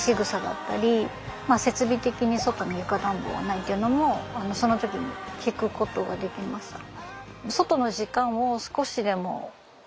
まあ設備的に外に床暖房はないっていうのもその時に聞くことができました。